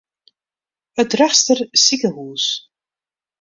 It Drachtster sikehûs.